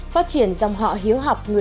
phát triển dòng họ hiếu học